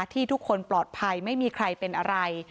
ที่ทุกคนปลอดภัยไม่มีใครเป็นอะไร